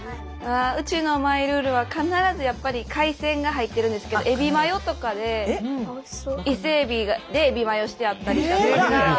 うちのマイルールは必ずやっぱり海鮮が入ってるんですけどえびマヨとかで伊勢えびでえびマヨしてあったりだとか。